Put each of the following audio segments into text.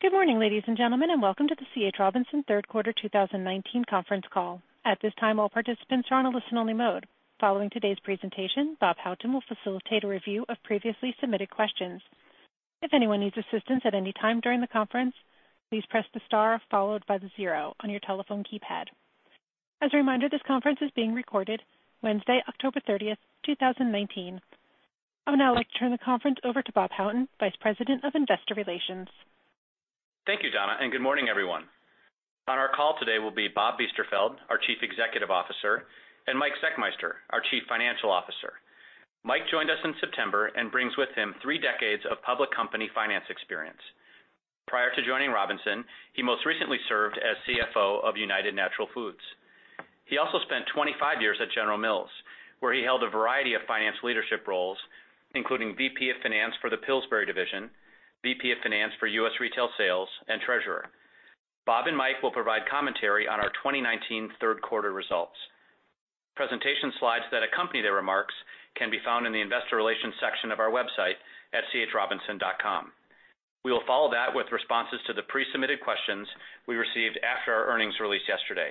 Good morning, ladies and gentlemen, and welcome to the C. H. Robinson third quarter 2019 conference call. At this time, all participants are on a listen only mode. Following today's presentation, Robert Houghton will facilitate a review of previously submitted questions. If anyone needs assistance at any time during the conference, please press the star followed by the 0 on your telephone keypad. As a reminder, this conference is being recorded Wednesday, October 30, 2019. I would now like to turn the conference over to Robert Houghton, Vice President of Investor Relations. Thank you, Donna. Good morning, everyone. On our call today will be Bob Biesterfeld, our Chief Executive Officer, and Mike Zechmeister, our Chief Financial Officer. Mike joined us in September and brings with him three decades of public company finance experience. Prior to joining Robinson, he most recently served as CFO of United Natural Foods. He also spent 25 years at General Mills, where he held a variety of finance leadership roles, including VP of finance for the Pillsbury division, VP of finance for U.S. retail sales, and treasurer. Bob and Mike will provide commentary on our 2019 third quarter results. Presentation slides that accompany their remarks can be found in the investor relations section of our website at chrobinson.com. We will follow that with responses to the pre-submitted questions we received after our earnings release yesterday.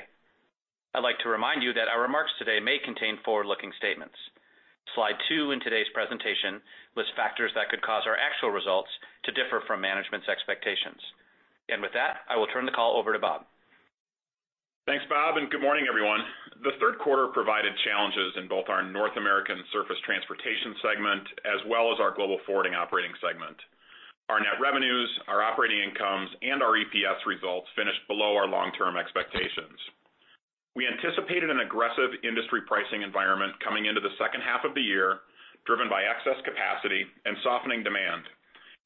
I'd like to remind you that our remarks today may contain forward-looking statements. Slide two in today's presentation lists factors that could cause our actual results to differ from management's expectations. With that, I will turn the call over to Bob. Thanks, Bob. Good morning, everyone. The third quarter provided challenges in both our North American Surface Transportation segment as well as our Global Forwarding operating segment. Our net revenues, our operating incomes, and our EPS results finished below our long-term expectations. We anticipated an aggressive industry pricing environment coming into the second half of the year, driven by excess capacity and softening demand.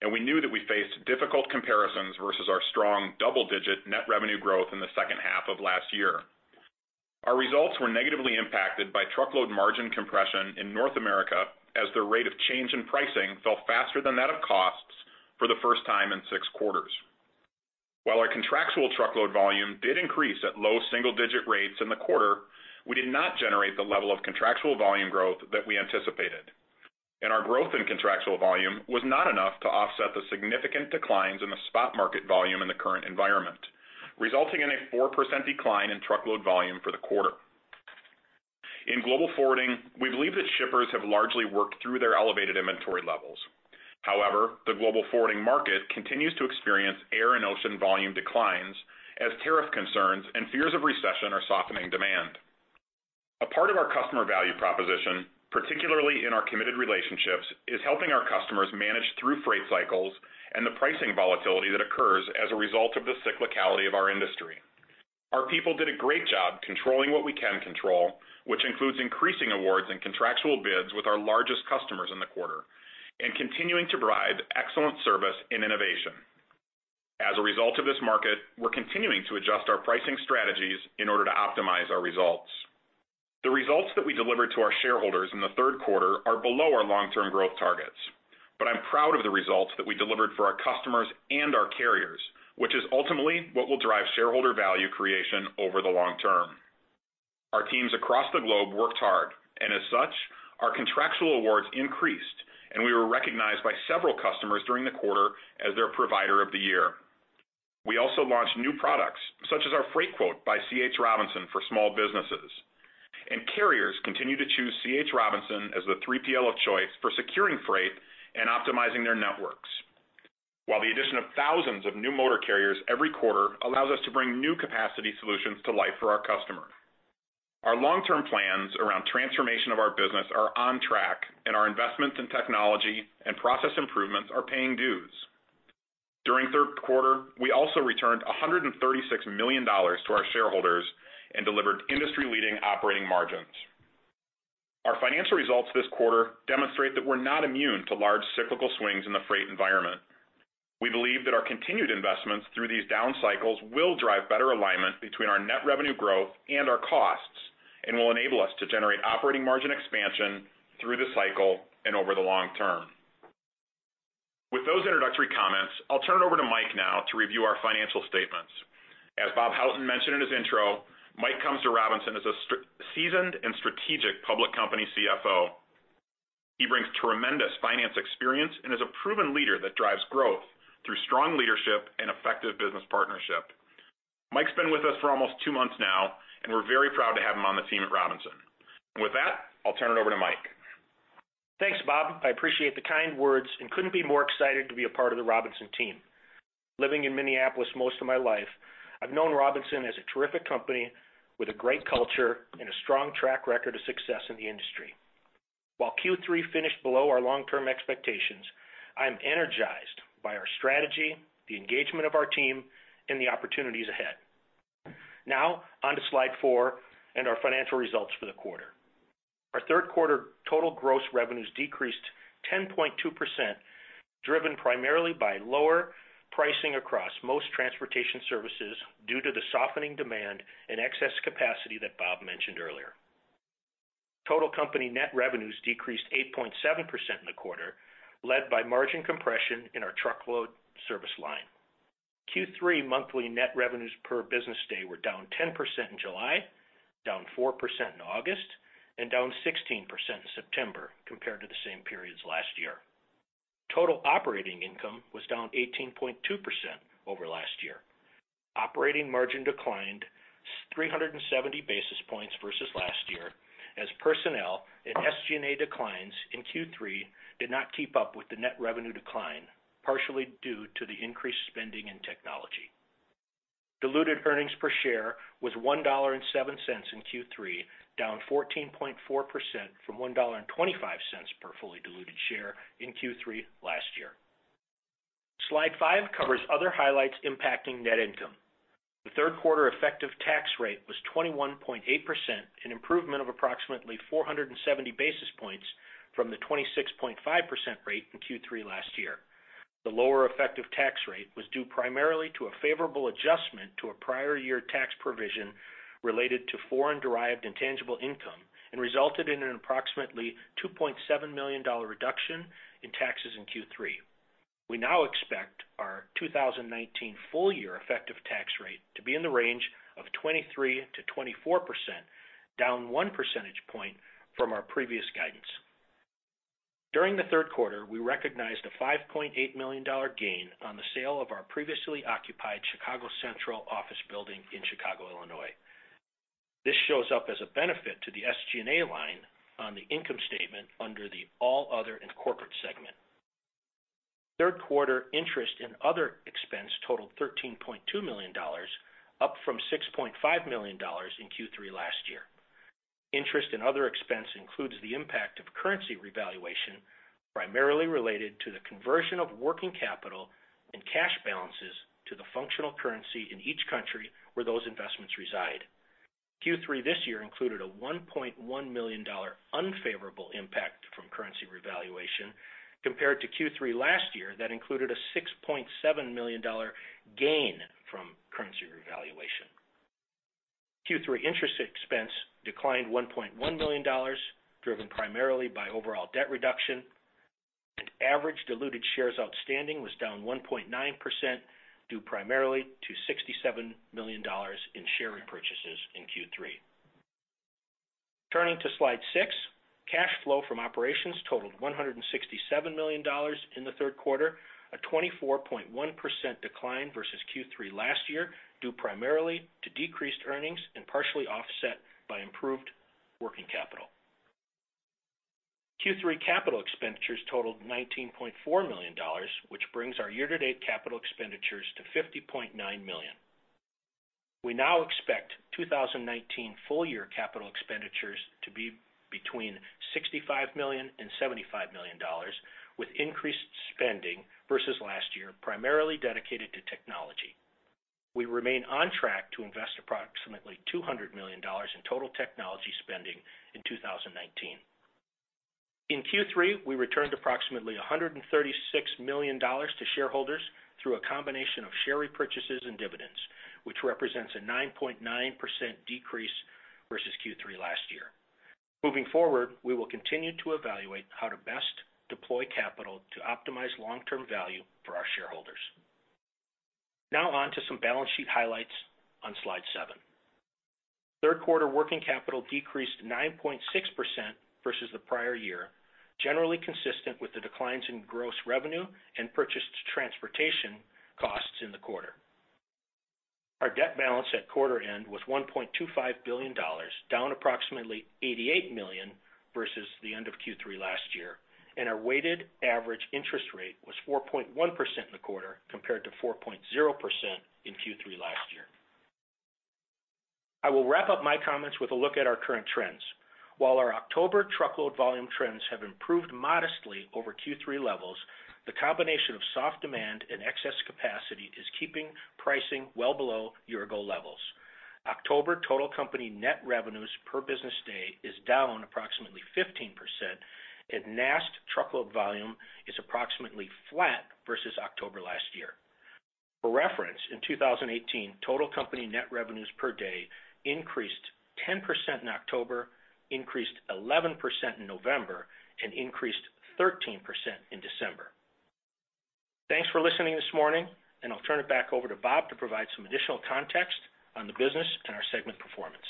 We knew that we faced difficult comparisons versus our strong double-digit net revenue growth in the second half of last year. Our results were negatively impacted by truckload margin compression in North America, as their rate of change in pricing fell faster than that of costs for the first time in six quarters. While our contractual truckload volume did increase at low single-digit rates in the quarter, we did not generate the level of contractual volume growth that we anticipated. Our growth in contractual volume was not enough to offset the significant declines in the spot market volume in the current environment, resulting in a 4% decline in truckload volume for the quarter. In global forwarding, we believe that shippers have largely worked through their elevated inventory levels. However, the global forwarding market continues to experience air and ocean volume declines as tariff concerns and fears of recession are softening demand. A part of our customer value proposition, particularly in our committed relationships, is helping our customers manage through freight cycles and the pricing volatility that occurs as a result of the cyclicality of our industry. Our people did a great job controlling what we can control, which includes increasing awards and contractual bids with our largest customers in the quarter, and continuing to provide excellent service and innovation. As a result of this market, we're continuing to adjust our pricing strategies in order to optimize our results. The results that we delivered to our shareholders in the third quarter are below our long-term growth targets. I'm proud of the results that we delivered for our customers and our carriers, which is ultimately what will drive shareholder value creation over the long term. Our teams across the globe worked hard, and as such, our contractual awards increased, and we were recognized by several customers during the quarter as their provider of the year. We also launched new products, such as our Freightquote by C.H. Robinson for small businesses. Carriers continue to choose C.H. Robinson as the 3PL of choice for securing freight and optimizing their networks. While the addition of thousands of new motor carriers every quarter allows us to bring new capacity solutions to life for our customers. Our long-term plans around transformation of our business are on track, and our investments in technology and process improvements are paying dues. During third quarter, we also returned $136 million to our shareholders and delivered industry-leading operating margins. Our financial results this quarter demonstrate that we're not immune to large cyclical swings in the freight environment. We believe that our continued investments through these down cycles will drive better alignment between our net revenue growth and our costs, and will enable us to generate operating margin expansion through the cycle and over the long term. With those introductory comments, I'll turn it over to Mike now to review our financial statements. As Robert Houghton mentioned in his intro, Mike comes to Robinson as a seasoned and strategic public company CFO. He brings tremendous finance experience and is a proven leader that drives growth through strong leadership and effective business partnership. Mike's been with us for almost two months now, and we're very proud to have him on the team at Robinson. With that, I'll turn it over to Mike. Thanks, Bob. I appreciate the kind words and couldn't be more excited to be a part of the Robinson team. Living in Minneapolis most of my life, I've known Robinson as a terrific company with a great culture and a strong track record of success in the industry. While Q3 finished below our long-term expectations, I am energized by our strategy, the engagement of our team, and the opportunities ahead. On to slide four and our financial results for the quarter. Our third quarter total gross revenues decreased 10.2%, driven primarily by lower pricing across most transportation services due to the softening demand and excess capacity that Bob mentioned earlier. Total company net revenues decreased 8.7% in the quarter, led by margin compression in our truckload service line. Q3 monthly net revenues per business day were down 10% in July, down 4% in August, and down 16% in September compared to the same periods last year. Total operating income was down 18.2% over last year. Operating margin declined 370 basis points versus last year, as personnel and SG&A declines in Q3 did not keep up with the net revenue decline, partially due to the increased spending in technology. Diluted earnings per share was $1.07 in Q3, down 14.4% from $1.25 per fully diluted share in Q3 last year. Slide five covers other highlights impacting net income. The third quarter effective tax rate was 21.8%, an improvement of approximately 470 basis points from the 26.5% rate in Q3 last year. The lower effective tax rate was due primarily to a favorable adjustment to a prior year tax provision related to foreign-derived intangible income and resulted in an approximately $2.7 million reduction in taxes in Q3. We now expect our 2019 full year effective tax rate to be in the range of 23%-24%, down one percentage point from our previous guidance. During the third quarter, we recognized a $5.8 million gain on the sale of our previously occupied Chicago Central office building in Chicago, Illinois. This shows up as a benefit to the SG&A line on the income statement under the All Other and Corporate segment. Third quarter interest and other expense totaled $13.2 million, up from $6.5 million in Q3 last year. Interest and other expense includes the impact of currency revaluation, primarily related to the conversion of working capital and cash balances to the functional currency in each country where those investments reside. Q3 this year included a $1.1 million unfavorable impact from currency revaluation, compared to Q3 last year that included a $6.7 million gain from currency revaluation. Q3 interest expense declined $1.1 million, driven primarily by overall debt reduction, and average diluted shares outstanding was down 1.9%, due primarily to $67 million in share repurchases in Q3. Turning to slide six, cash flow from operations totaled $167 million in the third quarter, a 24.1% decline versus Q3 last year, due primarily to decreased earnings and partially offset by improved working capital. Q3 capital expenditures totaled $19.4 million, which brings our year-to-date capital expenditures to $50.9 million. We now expect 2019 full year capital expenditures to be between $65 million and $75 million, with increased spending versus last year, primarily dedicated to technology. We remain on track to invest approximately $200 million in total technology spending in 2019. In Q3, we returned approximately $136 million to shareholders through a combination of share repurchases and dividends, which represents a 9.9% decrease versus Q3 last year. Moving forward, we will continue to evaluate how to best deploy capital to optimize long-term value for our shareholders. Now on to some balance sheet highlights on slide seven. Third quarter working capital decreased 9.6% versus the prior year, generally consistent with the declines in gross revenue and purchased transportation costs in the quarter. Our debt balance at quarter end was $1.25 billion, down approximately $88 million versus the end of Q3 last year, and our weighted average interest rate was 4.1% in the quarter, compared to 4.0% in Q3 last year. I will wrap up my comments with a look at our current trends. While our October truckload volume trends have improved modestly over Q3 levels, the combination of soft demand and excess capacity is keeping pricing well below year-ago levels. October total company net revenues per business day is down approximately 15%, and NAST truckload volume is approximately flat versus October last year. For reference, in 2018, total company net revenues per day increased 10% in October, increased 11% in November, and increased 13% in December. Thanks for listening this morning, and I'll turn it back over to Bob to provide some additional context on the business and our segment performance.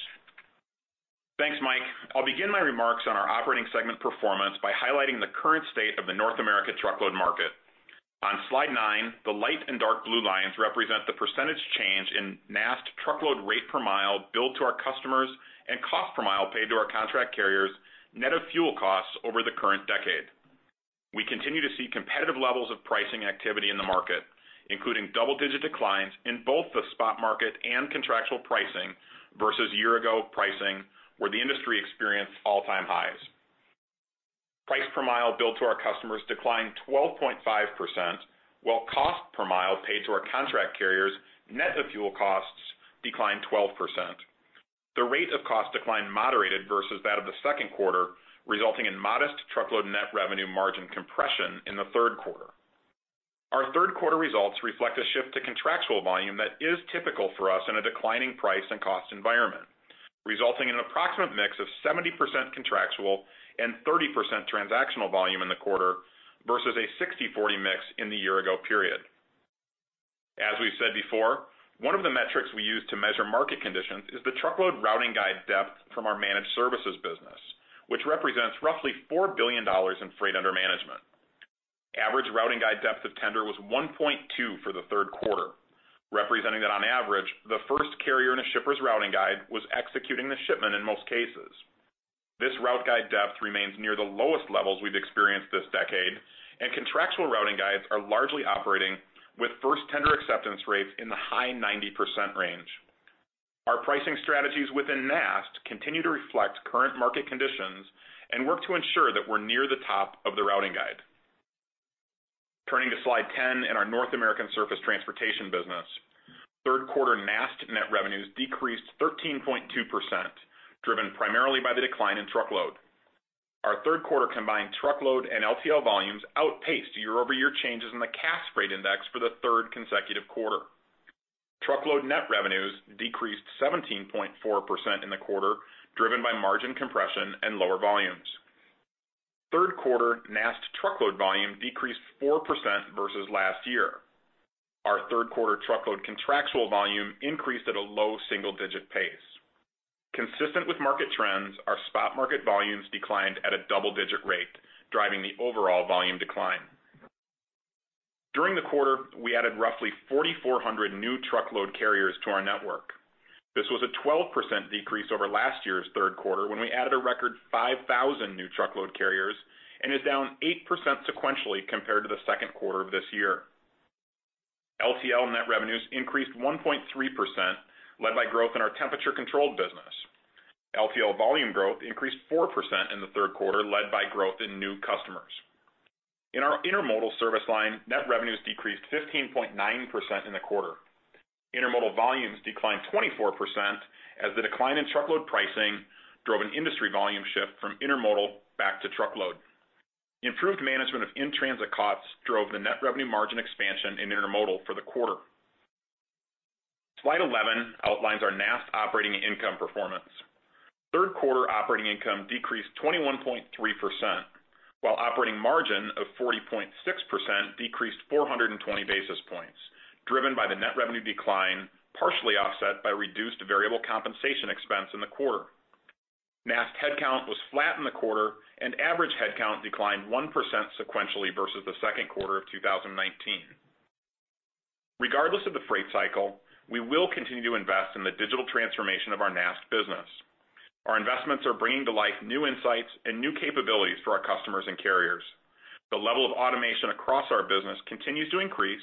Thanks, Mike. I will begin my remarks on our operating segment performance by highlighting the current state of the North America truckload market. On slide nine, the light and dark blue lines represent the percentage change in NAST truckload rate per mile billed to our customers and cost per mile paid to our contract carriers, net of fuel costs over the current decade. We continue to see competitive levels of pricing activity in the market, including double-digit declines in both the spot market and contractual pricing versus year-ago pricing, where the industry experienced all-time highs. Price per mile billed to our customers declined 12.5%, while cost per mile paid to our contract carriers, net of fuel costs, declined 12%. The rate of cost decline moderated versus that of the second quarter, resulting in modest truckload net revenue margin compression in the third quarter. Our third quarter results reflect a shift to contractual volume that is typical for us in a declining price and cost environment, resulting in an approximate mix of 70% contractual and 30% transactional volume in the quarter, versus a 60/40 mix in the year-ago period. As we've said before, one of the metrics we use to measure market conditions is the truckload routing guide depth from our managed services business, which represents roughly $4 billion in freight under management. Average routing guide depth of tender was 1.2 for the third quarter, representing that on average, the first carrier in a shipper's routing guide was executing the shipment in most cases. This route guide depth remains near the lowest levels we've experienced this decade. Contractual routing guides are largely operating with first tender acceptance rates in the high 90% range. Our pricing strategies within NAST continue to reflect current market conditions, and work to ensure that we're near the top of the routing guide. Turning to slide 10 in our North American surface transportation business. Third quarter NAST net revenues decreased 13.2%, driven primarily by the decline in truckload. Our third quarter combined truckload and LTL volumes outpaced year-over-year changes in the Cass Freight Index for the third consecutive quarter. Truckload net revenues decreased 17.4% in the quarter, driven by margin compression and lower volumes. Third quarter NAST truckload volume decreased 4% versus last year. Our third quarter truckload contractual volume increased at a low single-digit pace. Consistent with market trends, our spot market volumes declined at a double-digit rate, driving the overall volume decline. During the quarter, we added roughly 4,400 new truckload carriers to our network. This was a 12% decrease over last year's third quarter, when we added a record 5,000 new truckload carriers, and is down 8% sequentially compared to the second quarter of this year. LTL net revenues increased 1.3%, led by growth in our temperature-controlled business. LTL volume growth increased 4% in the third quarter, led by growth in new customers. In our intermodal service line, net revenues decreased 15.9% in the quarter. Intermodal volumes declined 24%, as the decline in truckload pricing drove an industry volume shift from intermodal back to truckload. Improved management of in-transit costs drove the net revenue margin expansion in intermodal for the quarter. Slide 11 outlines our NAST operating income performance. Third quarter operating income decreased 21.3%, while operating margin of 40.6% decreased 420 basis points, driven by the net revenue decline, partially offset by reduced variable compensation expense in the quarter. NAST headcount was flat in the quarter, and average headcount declined 1% sequentially versus the second quarter of 2019. Regardless of the freight cycle, we will continue to invest in the digital transformation of our NAST business. Our investments are bringing to life new insights and new capabilities for our customers and carriers. The level of automation across our business continues to increase,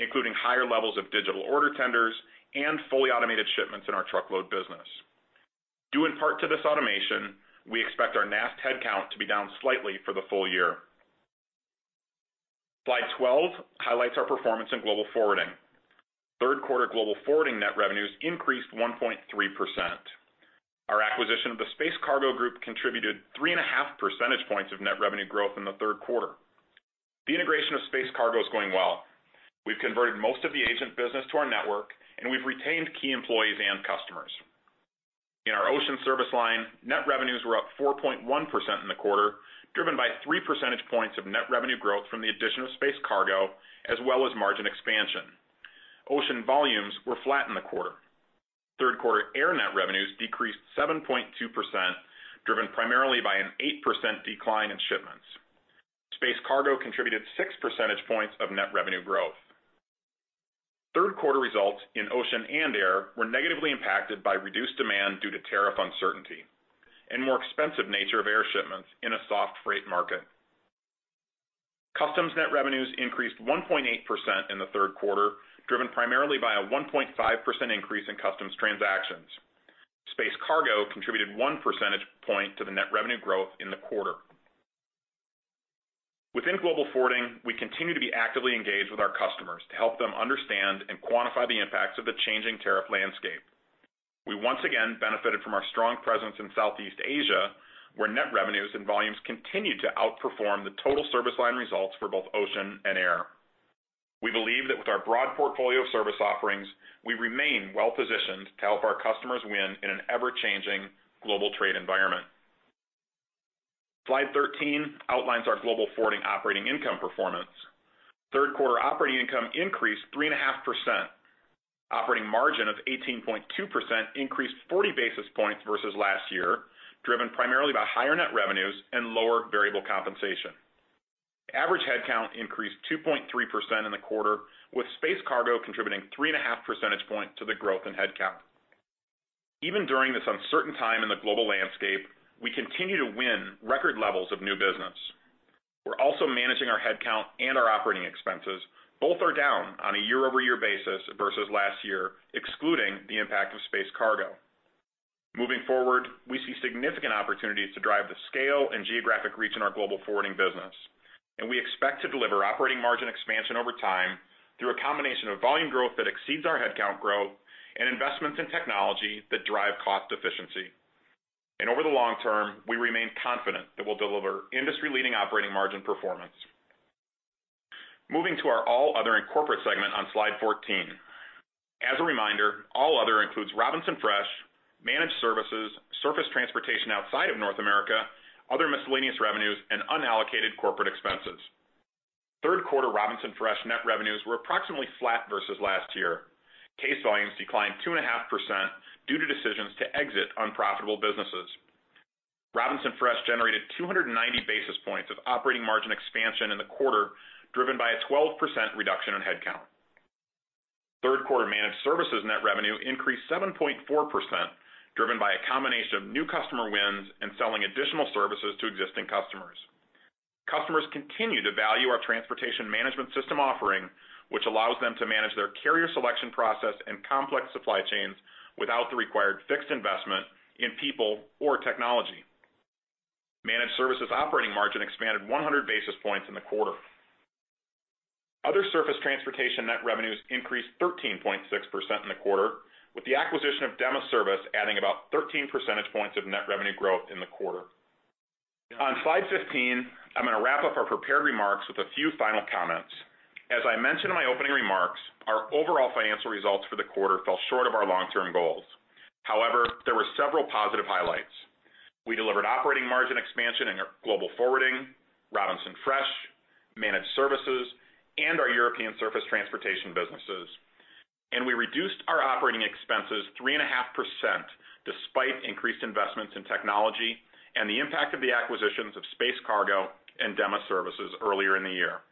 including higher levels of digital order tenders and fully automated shipments in our truckload business. Due in part to this automation, we expect our NAST headcount to be down slightly for the full year. Slide 12 highlights our performance in global forwarding. Third quarter global forwarding net revenues increased 1.3%. Our acquisition of The Space Cargo Group contributed three and a half percentage points of net revenue growth in the third quarter. The integration of Space Cargo is going well. We've converted most of the agent business to our network, and we've retained key employees and customers. In our ocean service line, net revenues were up 4.1% in the quarter, driven by three percentage points of net revenue growth from the addition of Space Cargo, as well as margin expansion. Ocean volumes were flat in the quarter. Third quarter air net revenues decreased 7.2%, driven primarily by an 8% decline in shipments. Space Cargo contributed six percentage points of net revenue growth. Third quarter results in ocean and air were negatively impacted by reduced demand due to tariff uncertainty, and more expensive nature of air shipments in a soft freight market. Customs net revenues increased 1.8% in the third quarter, driven primarily by a 1.5% increase in customs transactions. Space Cargo contributed one percentage point to the net revenue growth in the quarter. Within global forwarding, we continue to be actively engaged with our customers to help them understand and quantify the impacts of the changing tariff landscape. We once again benefited from our strong presence in Southeast Asia, where net revenues and volumes continued to outperform the total service line results for both ocean and air. We believe that with our broad portfolio of service offerings, we remain well positioned to help our customers win in an ever-changing global trade environment. Slide 13 outlines our global forwarding operating income performance. Third quarter operating income increased 3.5%. Operating margin of 18.2% increased 40 basis points versus last year, driven primarily by higher net revenues and lower variable compensation. Average headcount increased 2.3% in the quarter, with Space Cargo contributing three and a half percentage points to the growth in headcount. Even during this uncertain time in the global landscape, we continue to win record levels of new business. We're also managing our headcount and our operating expenses. Both are down on a year-over-year basis versus last year, excluding the impact of Space Cargo. Moving forward, we see significant opportunities to drive the scale and geographic reach in our global forwarding business. We expect to deliver operating margin expansion over time through a combination of volume growth that exceeds our headcount growth, and investments in technology that drive cost efficiency. Over the long term, we remain confident that we'll deliver industry-leading operating margin performance. Moving to our all other and corporate segment on slide 14. As a reminder, all other includes Robinson Fresh, managed services, surface transportation outside of North America, other miscellaneous revenues, and unallocated corporate expenses. Third quarter Robinson Fresh net revenues were approximately flat versus last year. Case volumes declined 2.5% due to decisions to exit unprofitable businesses. Robinson Fresh generated 290 basis points of operating margin expansion in the quarter, driven by a 12% reduction in headcount. Third quarter managed services net revenue increased 7.4%, driven by a combination of new customer wins and selling additional services to existing customers. Customers continue to value our transportation management system offering, which allows them to manage their carrier selection process and complex supply chains without the required fixed investment in people or technology. Managed services operating margin expanded 100 basis points in the quarter. Other surface transportation net revenues increased 13.6% in the quarter, with the acquisition of Dema Service adding about 13 percentage points of net revenue growth in the quarter. On slide 15, I'm going to wrap up our prepared remarks with a few final comments. As I mentioned in my opening remarks, our overall financial results for the quarter fell short of our long-term goals. However, there were several positive highlights. We delivered operating margin expansion in our global forwarding, Robinson Fresh, managed services, and our European surface transportation businesses. We reduced our operating expenses 3.5% despite increased investments in technology and the impact of the acquisitions of Space Cargo and Dema Service earlier in the year.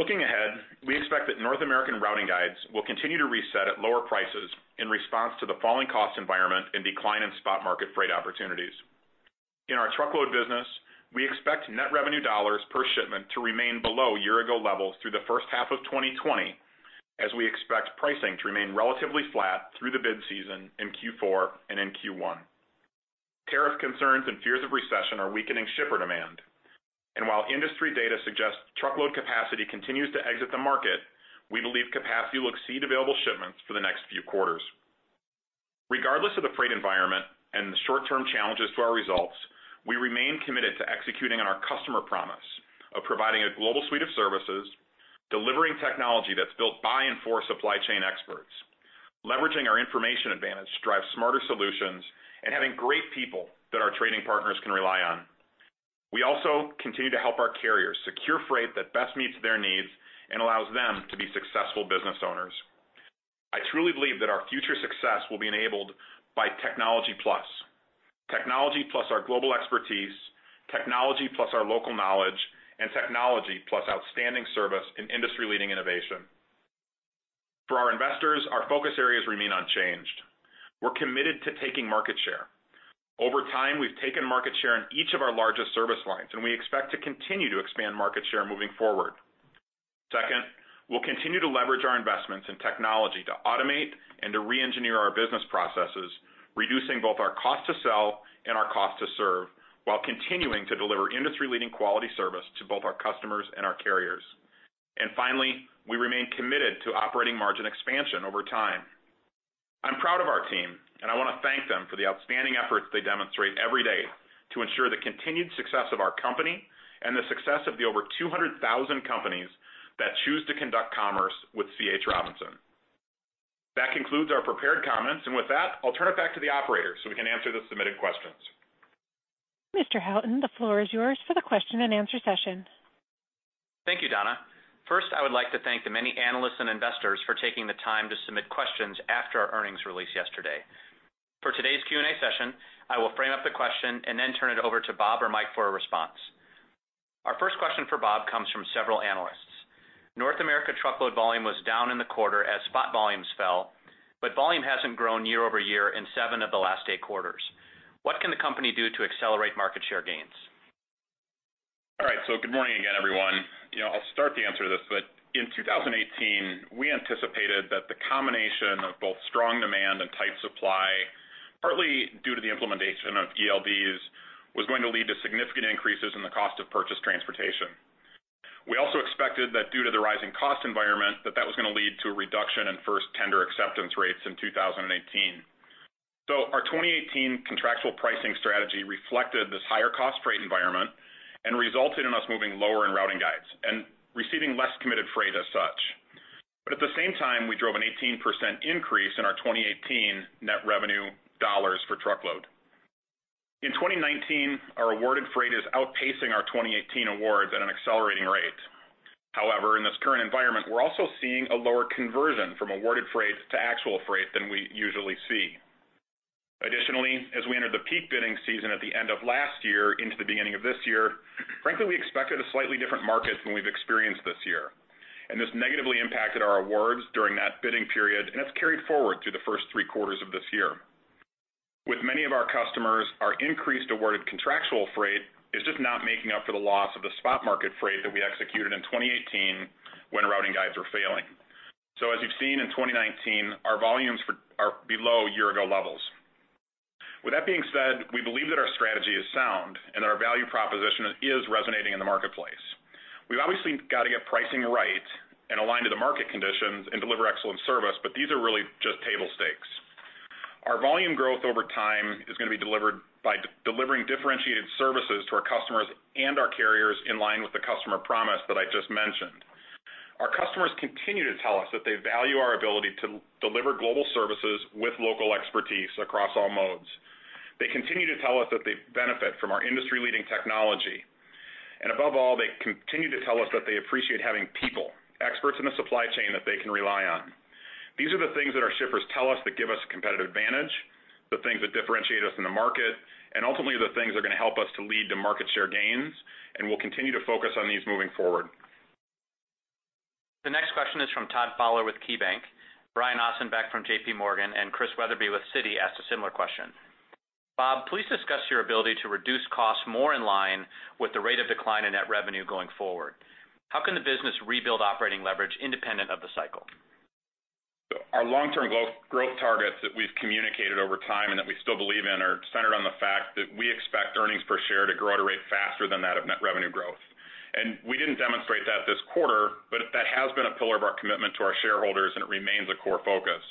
Looking ahead, we expect that North American routing guides will continue to reset at lower prices in response to the falling cost environment and decline in spot market freight opportunities. In our truckload business, we expect net revenue dollars per shipment to remain below year-ago levels through the first half of 2020, as we expect pricing to remain relatively flat through the bid season in Q4 and in Q1. Tariff concerns and fears of recession are weakening shipper demand. While industry data suggests truckload capacity continues to exit the market, we believe capacity will exceed available shipments for the next few quarters. Regardless of the freight environment and the short-term challenges to our results, we remain committed to executing on our customer promise of providing a global suite of services, delivering technology that's built by and for supply chain experts, leveraging our information advantage to drive smarter solutions, and having great people that our trading partners can rely on. We also continue to help our carriers secure freight that best meets their needs and allows them to be successful business owners. I truly believe that our future success will be enabled by technology plus. Technology plus our global expertise, technology plus our local knowledge, and technology plus outstanding service and industry-leading innovation. For our investors, our focus areas remain unchanged. We're committed to taking market share. Over time, we've taken market share in each of our largest service lines, and we expect to continue to expand market share moving forward. Second, we'll continue to leverage our investments in technology to automate and to re-engineer our business processes, reducing both our cost to sell and our cost to serve while continuing to deliver industry-leading quality service to both our customers and our carriers. Finally, we remain committed to operating margin expansion over time. I'm proud of our team, and I want to thank them for the outstanding efforts they demonstrate every day to ensure the continued success of our company and the success of the over 200,000 companies that choose to conduct commerce with C. H. Robinson. That concludes our prepared comments. With that, I'll turn it back to the operator so we can answer the submitted questions. Mr. Houghton, the floor is yours for the question and answer session. Thank you, Donna. First, I would like to thank the many analysts and investors for taking the time to submit questions after our earnings release yesterday. For today's Q&A session, I will frame up the question and then turn it over to Bob or Mike for a response. Our first question for Bob comes from several analysts. North America truckload volume was down in the quarter as spot volumes fell, but volume hasn't grown year-over-year in seven of the last eight quarters. What can the company do to accelerate market share gains? Good morning again, everyone. I will start the answer to this. In 2018, we anticipated that the combination of both strong demand and tight supply, partly due to the implementation of ELDs, was going to lead to significant increases in the cost of purchased transportation. We also expected that due to the rising cost environment, that that was going to lead to a reduction in first tender acceptance rates in 2018. Our 2018 contractual pricing strategy reflected this higher cost freight environment and resulted in us moving lower in routing guides and receiving less committed freight as such. At the same time, we drove an 18% increase in our 2018 net revenue dollars for truckload. In 2019, our awarded freight is outpacing our 2018 awards at an accelerating rate. In this current environment, we're also seeing a lower conversion from awarded freight to actual freight than we usually see. As we entered the peak bidding season at the end of last year into the beginning of this year, frankly, we expected a slightly different market than we've experienced this year, and this negatively impacted our awards during that bidding period, and it's carried forward through the first three quarters of this year. With many of our customers, our increased awarded contractual freight is just not making up for the loss of the spot market freight that we executed in 2018 when routing guides were failing. As you've seen in 2019, our volumes are below year-ago levels. With that being said, we believe that our strategy is sound and our value proposition is resonating in the marketplace. We've obviously got to get pricing right and aligned to the market conditions and deliver excellent service, but these are really just tableOur volume growth over time is going to be delivered by delivering differentiated services to our customers and our carriers in line with the customer promise that I just mentioned. Our customers continue to tell us that they value our ability to deliver global services with local expertise across all modes. They continue to tell us that they benefit from our industry-leading technology. Above all, they continue to tell us that they appreciate having people, experts in the supply chain that they can rely on. These are the things that our shippers tell us that give us a competitive advantage, the things that differentiate us in the market, and ultimately, the things that are going to help us to lead to market share gains, and we'll continue to focus on these moving forward. The next question is from Todd Fowler with KeyBanc. Brian Ossenbeck from J.P. Morgan, and Chris Wetherbee with Citi asked a similar question. Bob, please discuss your ability to reduce costs more in line with the rate of decline in net revenue going forward. How can the business rebuild operating leverage independent of the cycle? Our long-term growth targets that we've communicated over time and that we still believe in, are centered on the fact that we expect earnings per share to grow at a rate faster than that of net revenue growth. We didn't demonstrate that this quarter, but that has been a pillar of our commitment to our shareholders, and it remains a core focus.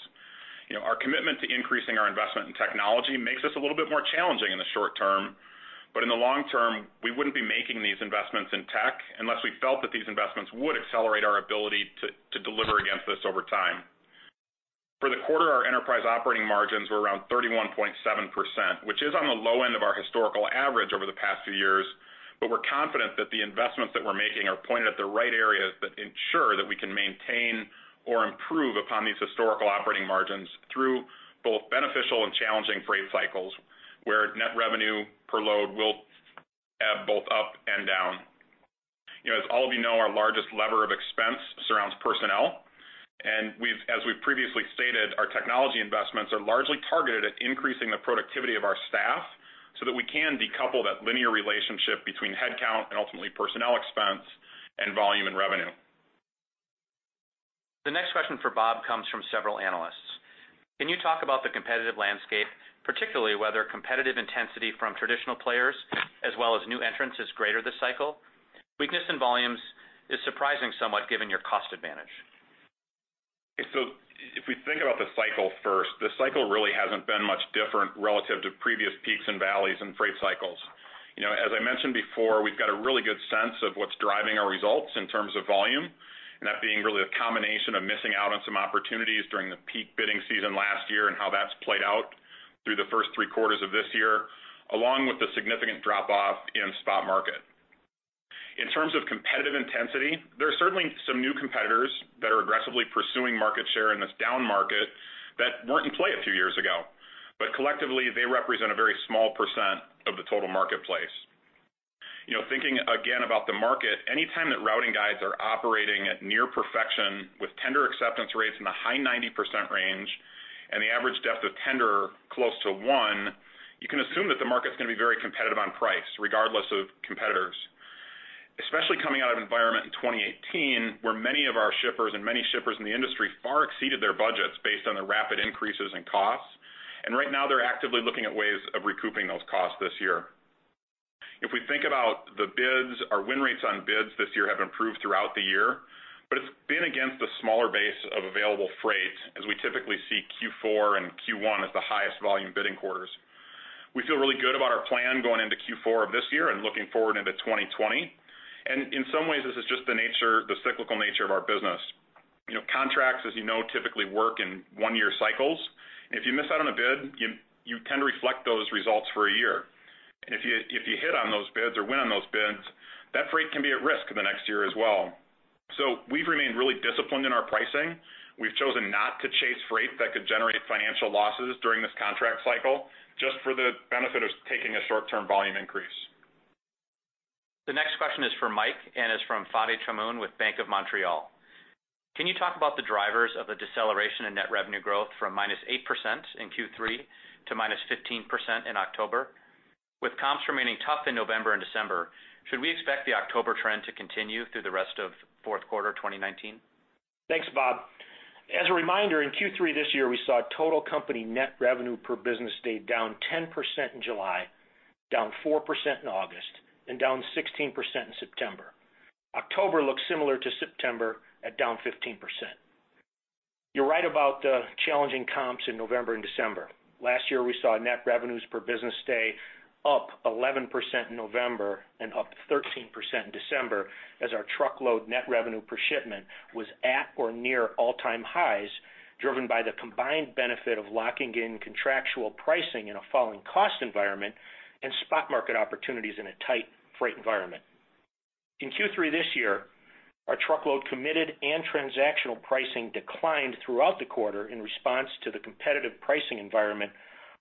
Our commitment to increasing our investment in technology makes us a little bit more challenging in the short term, but in the long term, we wouldn't be making these investments in tech unless we felt that these investments would accelerate our ability to deliver against this over time. For the quarter, our enterprise operating margins were around 31.7%, which is on the low end of our historical average over the past few years, but we're confident that the investments that we're making are pointed at the right areas that ensure that we can maintain or improve upon these historical operating margins through both beneficial and challenging freight cycles, where net revenue per load will ebb both up and down. As all of you know, our largest lever of expense surrounds personnel. As we've previously stated, our technology investments are largely targeted at increasing the productivity of our staff so that we can decouple that linear relationship between headcount and ultimately personnel expense, and volume and revenue. The next question for Bob comes from several analysts. Can you talk about the competitive landscape, particularly whether competitive intensity from traditional players as well as new entrants is greater this cycle? Weakness in volumes is surprising somewhat given your cost advantage. If we think about the cycle first, the cycle really hasn't been much different relative to previous peaks and valleys in freight cycles. As I mentioned before, we've got a really good sense of what's driving our results in terms of volume, and that being really a combination of missing out on some opportunities during the peak bidding season last year and how that's played out through the first three quarters of this year, along with the significant drop-off in spot market. In terms of competitive intensity, there are certainly some new competitors that are aggressively pursuing market share in this down market that weren't in play a few years ago. Collectively, they represent a very small % of the total marketplace. Thinking again about the market, anytime that routing guides are operating at near perfection with tender acceptance rates in the high 90% range, and the average depth of tender close to one, you can assume that the market's going to be very competitive on price regardless of competitors, especially coming out of environment in 2018, where many of our shippers and many shippers in the industry far exceeded their budgets based on the rapid increases in costs. Right now they're actively looking at ways of recouping those costs this year. If we think about the bids, our win rates on bids this year have improved throughout the year, but it's been against the smaller base of available freight as we typically see Q4 and Q1 as the highest volume bidding quarters. We feel really good about our plan going into Q4 of this year and looking forward into 2020. In some ways, this is just the cyclical nature of our business. Contracts, as you know, typically work in one-year cycles, and if you miss out on a bid, you tend to reflect those results for a year. If you hit on those bids or win on those bids, that freight can be at risk the next year as well. We've remained really disciplined in our pricing. We've chosen not to chase freight that could generate financial losses during this contract cycle, just for the benefit of taking a short-term volume increase. The next question is for Mike and is from Fadi Chamoun with Bank of Montreal. Can you talk about the drivers of the deceleration in net revenue growth from -8% in Q3 to -15% in October? With comps remaining tough in November and December, should we expect the October trend to continue through the rest of fourth quarter 2019? Thanks, Bob. As a reminder, in Q3 this year, we saw total company net revenue per business day down 10% in July, down 4% in August, and down 16% in September. October looks similar to September, at down 15%. You're right about the challenging comps in November and December. Last year, we saw net revenues per business day up 11% in November and up 13% in December as our truckload net revenue per shipment was at or near all-time highs, driven by the combined benefit of locking in contractual pricing in a falling cost environment and spot market opportunities in a tight freight environment. In Q3 this year, our truckload committed and transactional pricing declined throughout the quarter in response to the competitive pricing environment,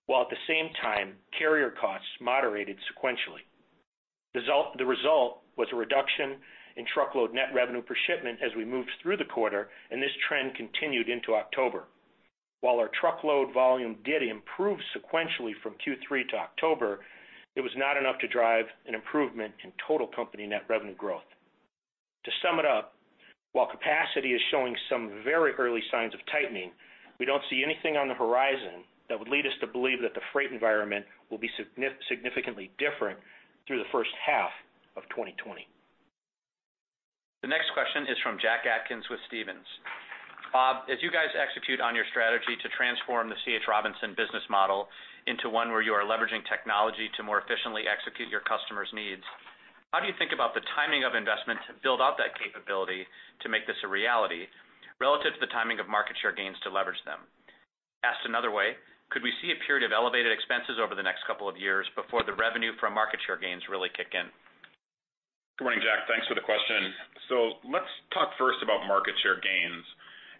while at the same time, carrier costs moderated sequentially. The result was a reduction in truckload net revenue per shipment as we moved through the quarter, and this trend continued into October. While our truckload volume did improve sequentially from Q3 to October, it was not enough to drive an improvement in total company net revenue growth. To sum it up, while capacity is showing some very early signs of tightening, we don't see anything on the horizon that would lead us to believe that the freight environment will be significantly different through the first half of 2020. The next question is from Jack Atkins with Stephens. Bob, as you guys execute on your strategy to transform the C. H. Robinson business model into one where you are leveraging technology to more efficiently execute your customers' needs, how do you think about the timing of investment to build out that capability to make this a reality relative to the timing of market share gains to leverage them? Asked another way, could we see a period of elevated expenses over the next couple of years before the revenue from market share gains really kick in? Good morning, Jack. Thanks for the question. Let's talk first about market share gains.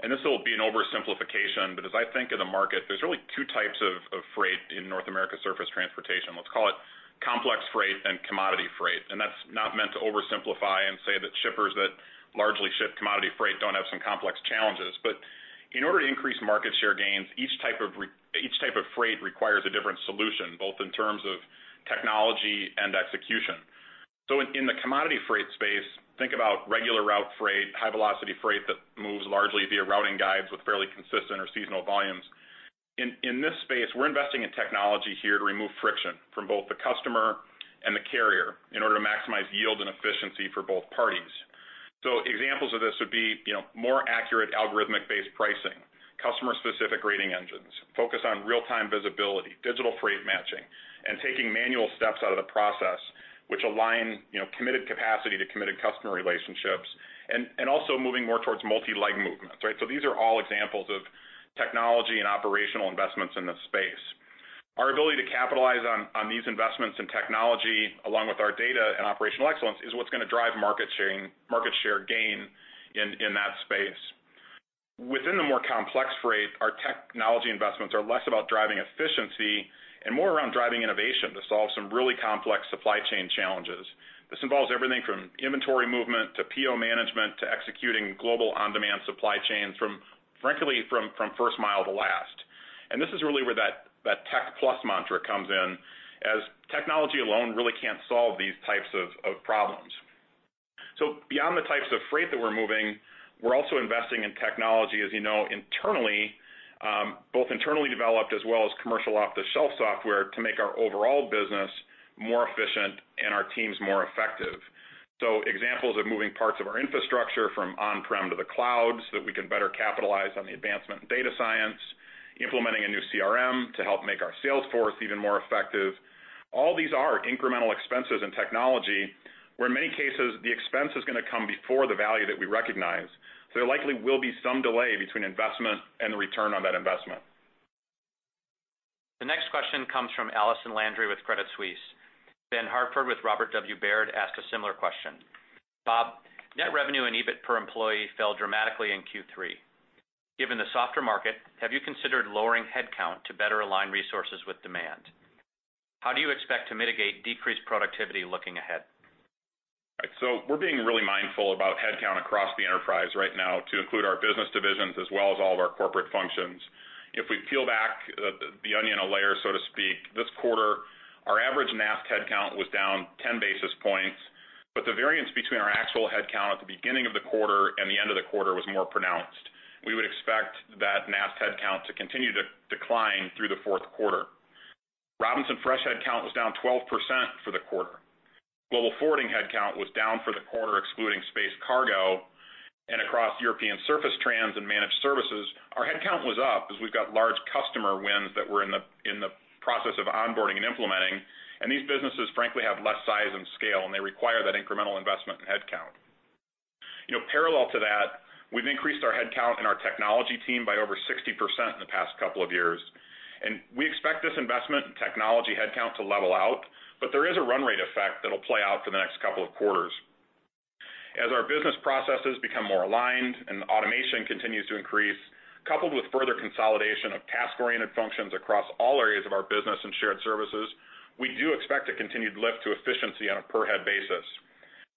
This will be an oversimplification, but as I think of the market, there's really two types of freight in North American surface transportation. Let's call it complex freight and commodity freight. That's not meant to oversimplify and say that shippers that largely ship commodity freight don't have some complex challenges. In order to increase market share gains, each type of freight requires a different solution, both in terms of technology and execution. In the commodity freight space, think about regular route freight, high velocity freight that moves largely via routing guides with fairly consistent or seasonal volumes. In this space, we're investing in technology here to remove friction from both the customer and the carrier in order to maximize yield and efficiency for both parties. Examples of this would be more accurate algorithmic-based pricing, customer specific rating engines, focus on real-time visibility, digital freight matching, and taking manual steps out of the process, which align committed capacity to committed customer relationships, and also moving more towards multi-leg movements, right? These are all examples of technology and operational investments in the space. Our ability to capitalize on these investments in technology, along with our data and operational excellence, is what's going to drive market share gain in that space. Within the more complex freight, our technology investments are less about driving efficiency and more around driving innovation to solve some really complex supply chain challenges. This involves everything from inventory movement to PO management to executing global on-demand supply chains from, frankly, first mile to last. This is really where that tech plus mantra comes in, as technology alone really can't solve these types of problems. Beyond the types of freight that we're moving, we're also investing in technology, as you know, both internally developed as well as commercial off-the-shelf software to make our overall business more efficient and our teams more effective. Examples of moving parts of our infrastructure from on-prem to the cloud so that we can better capitalize on the advancement in data science, implementing a new CRM to help make our sales force even more effective. All these are incremental expenses in technology, where in many cases, the expense is going to come before the value that we recognize. There likely will be some delay between investment and the return on that investment. The next question comes from Allison Landry with Credit Suisse. Ben Hartford with Robert W. Baird asked a similar question. Bob, net revenue and EBIT per employee fell dramatically in Q3. Given the softer market, have you considered lowering headcount to better align resources with demand? How do you expect to mitigate decreased productivity looking ahead? We're being really mindful about headcount across the enterprise right now to include our business divisions as well as all of our corporate functions. If we peel back the onion a layer, so to speak, this quarter, our average NAST headcount was down 10 basis points, but the variance between our actual headcount at the beginning of the quarter and the end of the quarter was more pronounced. We would expect that NAST headcount to continue to decline through the fourth quarter. Robinson Fresh headcount was down 12% for the quarter. global forwarding headcount was down for the quarter, excluding Space Cargo, and across European surface trans and managed services, our headcount was up as we've got large customer wins that we're in the process of onboarding and implementing, and these businesses frankly have less size and scale, and they require that incremental investment in headcount. Parallel to that, we've increased our headcount in our technology team by over 60% in the past couple of years. We expect this investment in technology headcount to level out, but there is a run rate effect that'll play out for the next couple of quarters. As our business processes become more aligned and automation continues to increase, coupled with further consolidation of task-oriented functions across all areas of our business and shared services, we do expect a continued lift to efficiency on a per head basis.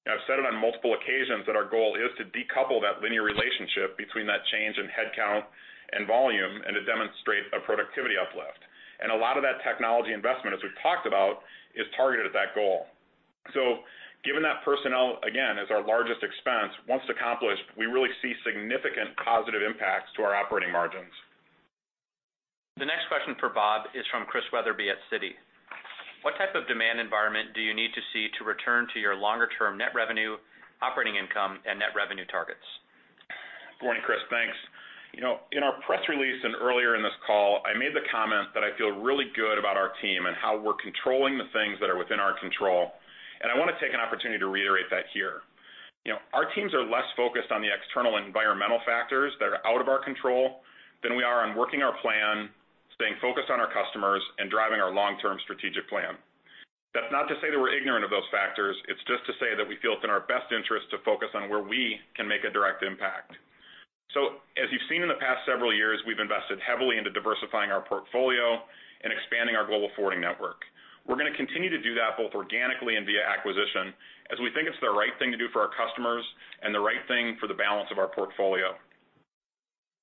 Now, I've said it on multiple occasions that our goal is to decouple that linear relationship between that change in headcount and volume and to demonstrate a productivity uplift. A lot of that technology investment, as we've talked about, is targeted at that goal. Given that personnel, again, is our largest expense, once accomplished, we really see significant positive impacts to our operating margins. The next question for Bob is from Chris Wetherbee at Citi. What type of demand environment do you need to see to return to your longer term net revenue, operating income, and net revenue targets? Good morning, Chris. Thanks. In our press release and earlier in this call, I made the comment that I feel really good about our team and how we're controlling the things that are within our control. I want to take an opportunity to reiterate that here. Our teams are less focused on the external environmental factors that are out of our control than we are on working our plan, staying focused on our customers, and driving our long-term strategic plan. That's not to say that we're ignorant of those factors. It's just to say that we feel it's in our best interest to focus on where we can make a direct impact. As you've seen in the past several years, we've invested heavily into diversifying our portfolio and expanding our global forwarding network. We're going to continue to do that both organically and via acquisition, as we think it's the right thing to do for our customers and the right thing for the balance of our portfolio.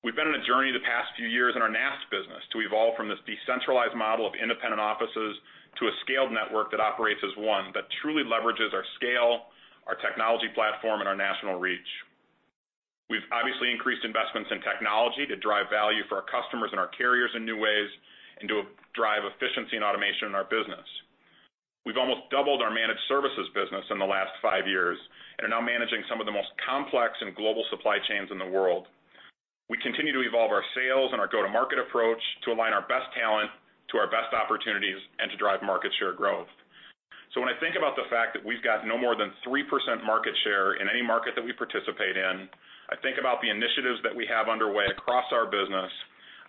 We've been on a journey the past few years in our NAST business to evolve from this decentralized model of independent offices to a scaled network that operates as one, that truly leverages our scale, our technology platform, and our national reach. We've obviously increased investments in technology to drive value for our customers and our carriers in new ways, and to drive efficiency and automation in our business. We've almost doubled our managed services business in the last five years and are now managing some of the most complex and global supply chains in the world. We continue to evolve our sales and our go-to-market approach to align our best talent to our best opportunities, and to drive market share growth. When I think about the fact that we've got no more than 3% market share in any market that we participate in, I think about the initiatives that we have underway across our business.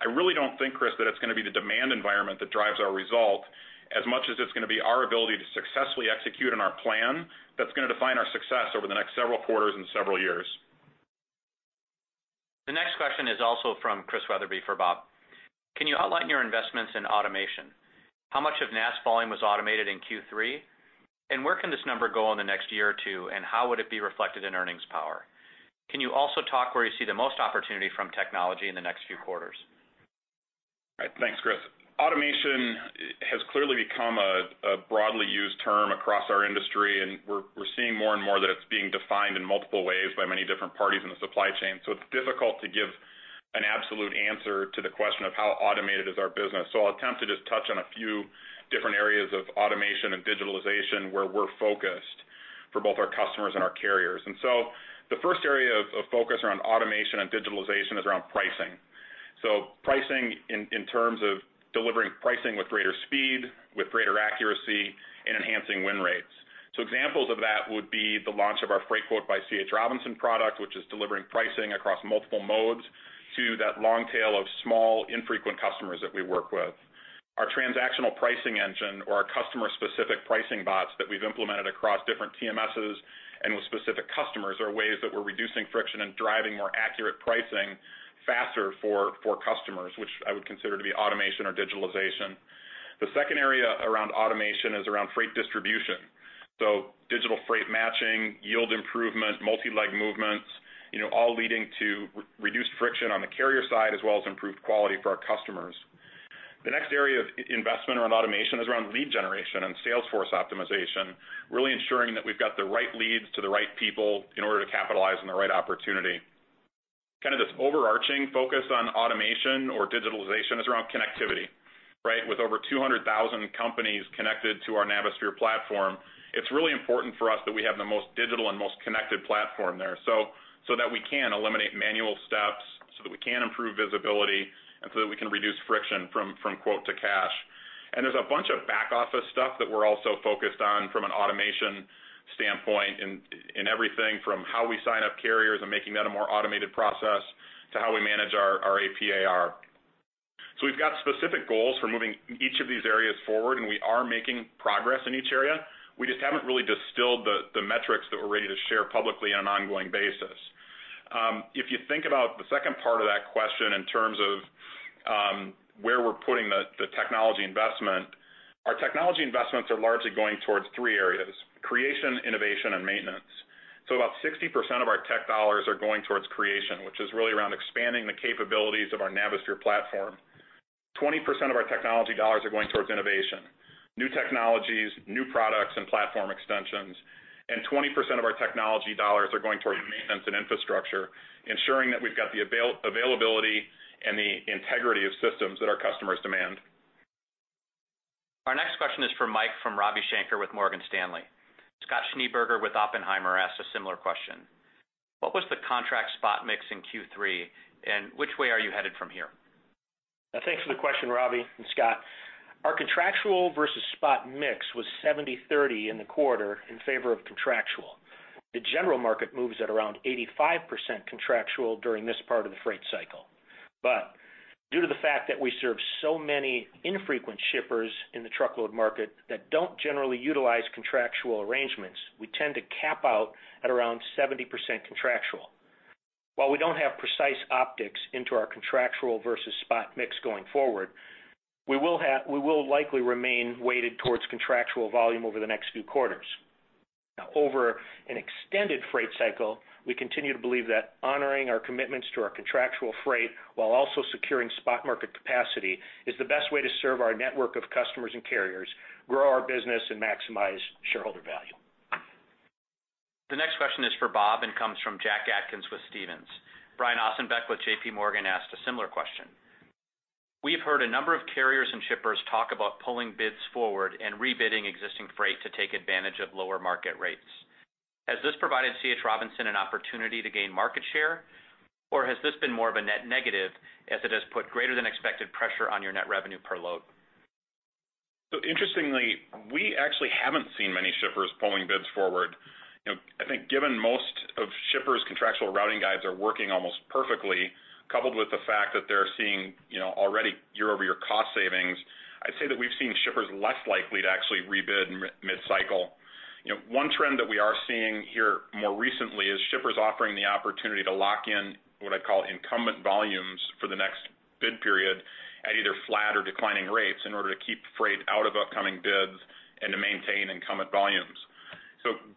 I really don't think, Chris, that it's going to be the demand environment that drives our result as much as it's going to be our ability to successfully execute on our plan that's going to define our success over the next several quarters and several years. The next question is also from Chris Wetherbee for Bob. Can you outline your investments in automation? How much of NAST volume was automated in Q3? Where can this number go in the next year or two, and how would it be reflected in earnings power? Can you also talk where you see the most opportunity from technology in the next few quarters? Right. Thanks, Chris. Automation has clearly become a broadly used term across our industry, and we're seeing more and more that it's being defined in multiple ways by many different parties in the supply chain. It's difficult to give an absolute answer to the question of how automated is our business. I'll attempt to just touch on a few different areas of automation and digitalization where we're focused for both our customers and our carriers. The first area of focus around automation and digitalization is around pricing. Pricing in terms of delivering pricing with greater speed, with greater accuracy, and enhancing win rates. Examples of that would be the launch of our Freightquote by C.H. Robinson product, which is delivering pricing across multiple modes to that long tail of small, infrequent customers that we work with. Our transactional pricing engine or our customer-specific pricing bots that we've implemented across different TMSs and with specific customers are ways that we're reducing friction and driving more accurate pricing faster for customers, which I would consider to be automation or digitalization. The second area around automation is around freight distribution. Digital freight matching, yield improvement, multi-leg movements, all leading to reduced friction on the carrier side, as well as improved quality for our customers. The next area of investment around automation is around lead generation and sales force optimization, really ensuring that we've got the right leads to the right people in order to capitalize on the right opportunity. Kind of this overarching focus on automation or digitalization is around connectivity, right? With over 200,000 companies connected to our Navisphere platform, it's really important for us that we have the most digital and most connected platform there, so that we can eliminate manual steps, so that we can improve visibility, and so that we can reduce friction from quote to cash. There's a bunch of back office stuff that we're also focused on from an automation standpoint in everything from how we sign up carriers and making that a more automated process to how we manage our AP/AR. We've got specific goals for moving each of these areas forward, and we are making progress in each area. We just haven't really distilled the metrics that we're ready to share publicly on an ongoing basis. If you think about the second part of that question in terms of where we're putting the technology investment, our technology investments are largely going towards three areas: creation, innovation, and maintenance. About 60% of our tech dollars are going towards creation, which is really around expanding the capabilities of our Navisphere platform. 20% of our technology dollars are going towards innovation, new technologies, new products, and platform extensions, and 20% of our technology dollars are going towards maintenance and infrastructure, ensuring that we've got the availability and the integrity of systems that our customers demand. Our next question is for Mike from Ravi Shanker with Morgan Stanley. Scott Schneeberger with Oppenheimer asked a similar question. What was the contract spot mix in Q3, and which way are you headed from here? Thanks for the question, Ravi and Scott. Our contractual versus spot mix was 70/30 in the quarter in favor of contractual. The general market moves at around 85% contractual during this part of the freight cycle. Due to the fact that we serve so many infrequent shippers in the truckload market that don't generally utilize contractual arrangements, we tend to cap out at around 70% contractual. While we don't have precise optics into our contractual versus spot mix going forward, we will likely remain weighted towards contractual volume over the next few quarters. Over an extended freight cycle, we continue to believe that honoring our commitments to our contractual freight while also securing spot market capacity is the best way to serve our network of customers and carriers, grow our business, and maximize shareholder value. The next question is for Bob and comes from Jack Atkins with Stephens Brian Ossenbeck with J.P. Morgan asked a similar question. We've heard a number of carriers and shippers talk about pulling bids forward and rebidding existing freight to take advantage of lower market rates. Has this provided C. H. Robinson an opportunity to gain market share, or has this been more of a net negative as it has put greater than expected pressure on your net revenue per load? Interestingly, we actually haven't seen many shippers pulling bids forward. I think given most of shippers' contractual routing guides are working almost perfectly, coupled with the fact that they're seeing already year-over-year cost savings, I'd say that we've seen shippers less likely to actually rebid mid-cycle. One trend that we are seeing here more recently is shippers offering the opportunity to lock in what I call incumbent volumes for the next bid period at either flat or declining rates in order to keep freight out of upcoming bids and to maintain incumbent volumes.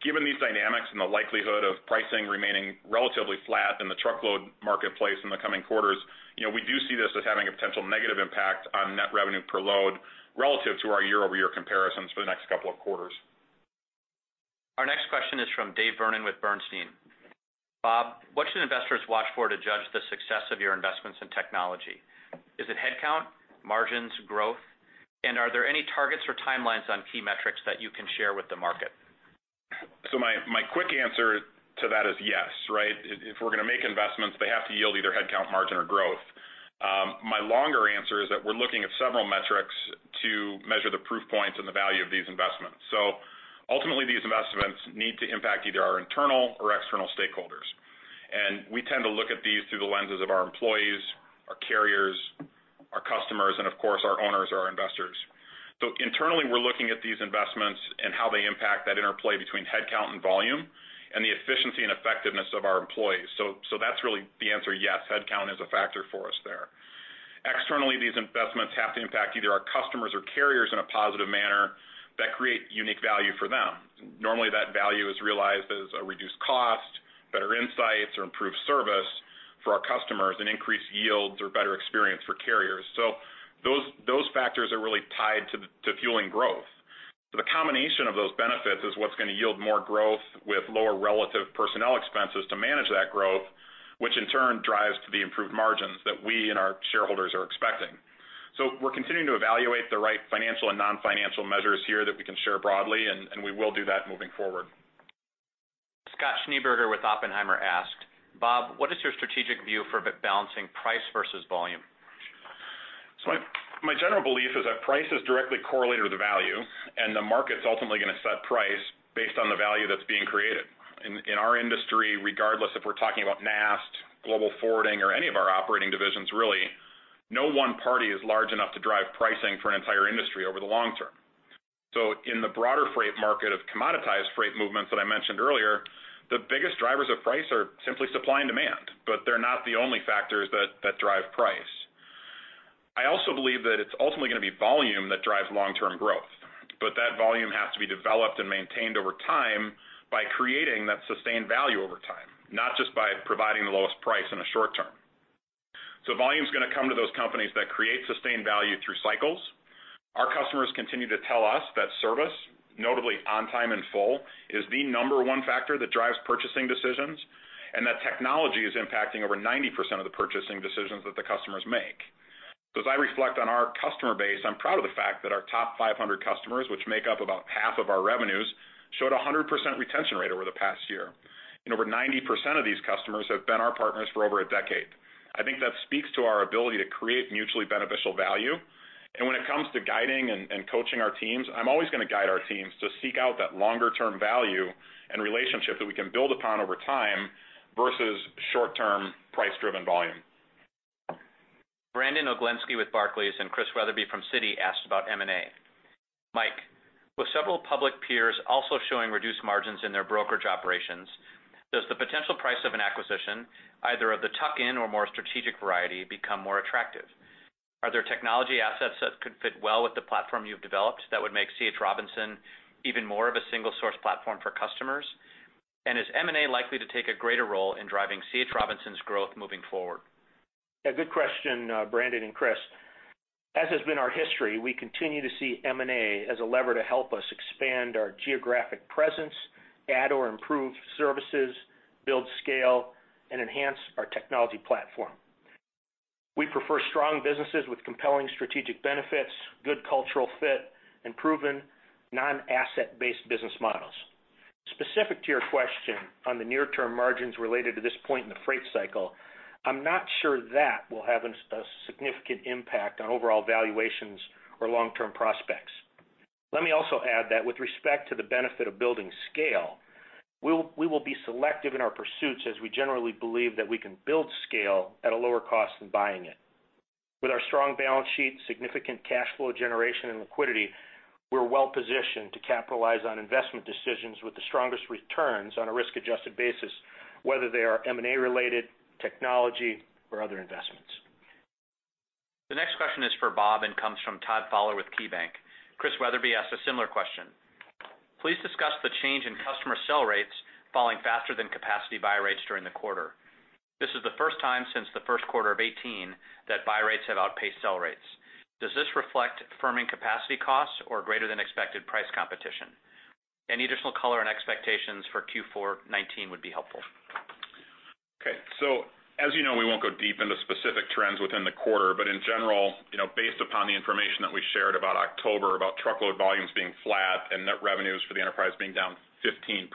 Given these dynamics and the likelihood of pricing remaining relatively flat in the truckload marketplace in the coming quarters, we do see this as having a potential negative impact on net revenue per load relative to our year-over-year comparisons for the next couple of quarters. Our next question is from David Vernon with Bernstein. Bob, what should investors watch for to judge the success of your investments in technology? Is it headcount, margins, growth? Are there any targets or timelines on key metrics that you can share with the market? My quick answer to that is yes. If we're going to make investments, they have to yield either headcount, margin, or growth. My longer answer is that we're looking at several metrics to measure the proof points and the value of these investments. Ultimately, these investments need to impact either our internal or external stakeholders. We tend to look at these through the lenses of our employees, our carriers, our customers, and of course, our owners, our investors. Internally, we're looking at these investments and how they impact that interplay between headcount and volume, and the efficiency and effectiveness of our employees. That's really the answer, yes, headcount is a factor for us there. Externally, these investments have to impact either our customers or carriers in a positive manner that create unique value for them. Normally, that value is realized as a reduced cost, better insights, or improved service for our customers, and increased yields or better experience for carriers. Those factors are really tied to fueling growth. The combination of those benefits is what's going to yield more growth with lower relative personnel expenses to manage that growth, which in turn drives to the improved margins that we and our shareholders are expecting. We're continuing to evaluate the right financial and non-financial measures here that we can share broadly, and we will do that moving forward. Scott Schneeberger with Oppenheimer asked, "Bob, what is your strategic view for balancing price versus volume? My general belief is that price is directly correlated to value, and the market's ultimately going to set price based on the value that's being created. In our industry, regardless if we're talking about NAST, global forwarding, or any of our operating divisions, really, no one party is large enough to drive pricing for an entire industry over the long term. In the broader freight market of commoditized freight movements that I mentioned earlier, the biggest drivers of price are simply supply and demand, but they're not the only factors that drive price. I also believe that it's ultimately going to be volume that drives long-term growth, but that volume has to be developed and maintained over time by creating that sustained value over time, not just by providing the lowest price in the short term. Volume's going to come to those companies that create sustained value through cycles. Our customers continue to tell us that service, notably on time and full, is the number one factor that drives purchasing decisions, and that technology is impacting over 90% of the purchasing decisions that the customers make. As I reflect on our customer base, I'm proud of the fact that our top 500 customers, which make up about half of our revenues, showed 100% retention rate over the past year. Over 90% of these customers have been our partners for over a decade. I think that speaks to our ability to create mutually beneficial value. When it comes to guiding and coaching our teams, I'm always going to guide our teams to seek out that longer-term value and relationship that we can build upon over time versus short-term price-driven volume. Brandon Oglenski with Barclays and Chris Wetherbee from Citi asked about M&A. Mike, with several public peers also showing reduced margins in their brokerage operations, does the potential price of an acquisition, either of the tuck-in or more strategic variety, become more attractive? Are there technology assets that could fit well with the platform you've developed that would make C. H. Robinson even more of a single source platform for customers? Is M&A likely to take a greater role in driving C. H. Robinson's growth moving forward? Yeah. Good question, Brandon and Chris. As has been our history, we continue to see M&A as a lever to help us expand our geographic presence, add or improve services, build scale, and enhance our technology platform. We prefer strong businesses with compelling strategic benefits, good cultural fit, and proven non-asset-based business models. Specific to your question on the near-term margins related to this point in the freight cycle, I'm not sure that will have a significant impact on overall valuations or long-term prospects. Let me also add that with respect to the benefit of building scale, we will be selective in our pursuits as we generally believe that we can build scale at a lower cost than buying it. With our strong balance sheet, significant cash flow generation, and liquidity, we're well-positioned to capitalize on investment decisions with the strongest returns on a risk-adjusted basis, whether they are M&A related, technology, or other investments. The next question is for Bob and comes from Todd Fowler with KeyBanc. Chris Wetherbee asked a similar question. "Please discuss the change in customer sell rates falling faster than capacity buy rates during the quarter. This is the first time since the first quarter of 2018 that buy rates have outpaced sell rates. Does this reflect firming capacity costs or greater than expected price competition? Any additional color and expectations for Q4 2019 would be helpful. Okay. As you know, we won't go deep into specific trends within the quarter, but in general, based upon the information that we shared about October, about truckload volumes being flat and net revenues for the enterprise being down 15%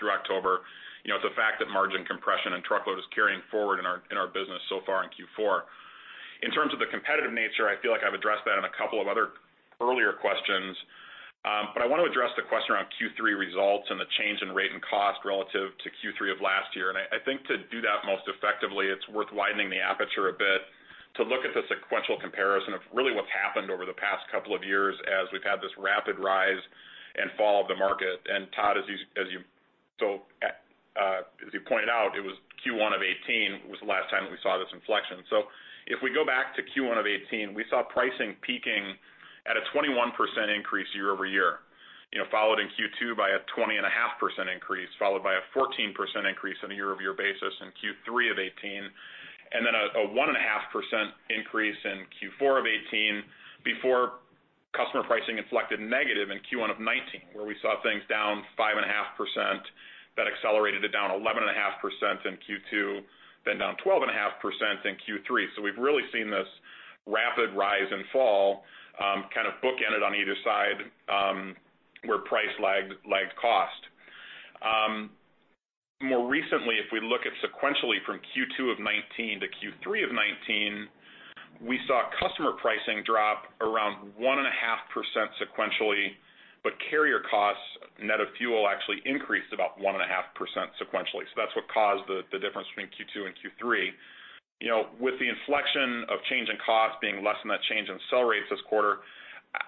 through October, it's a fact that margin compression and truckload is carrying forward in our business so far in Q4. In terms of the competitive nature, I feel like I've addressed that in a couple of other earlier questions. I want to address the question around Q3 results and the change in rate and cost relative to Q3 of last year. I think to do that most effectively, it's worth widening the aperture a bit to look at the sequential comparison of really what's happened over the past couple of years as we've had this rapid rise and fall of the market. Todd, as you pointed out, it was Q1 of 2018 was the last time that we saw this inflection. If we go back to Q1 of 2018, we saw pricing peaking at a 21% increase year-over-year, followed in Q2 by a 20.5% increase, followed by a 14% increase on a year-over-year basis in Q3 of 2018. Then a 1.5% increase in Q4 of 2018 before customer pricing inflected negative in Q1 of 2019, where we saw things down 5.5%. That accelerated it down 11.5% in Q2, then down 12.5% in Q3. We've really seen this rapid rise and fall kind of bookend it on either side, where price lagged cost. More recently, if we look at sequentially from Q2 of 2019 to Q3 of 2019, we saw customer pricing drop around 1.5% sequentially, but carrier costs net of fuel actually increased about 1.5% sequentially. That's what caused the difference between Q2 and Q3. With the inflection of change in cost being less than that change in sell rates this quarter,